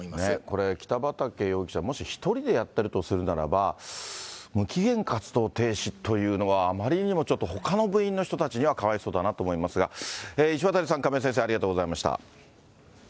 これ、北畠容疑者、もし１人でやってるとするならば、無期限活動停止というのは、あまりにもちょっとほかの部員の人たちにはかわいそうだなと思いますが、石渡さん、亀井先生、ありがとうございました。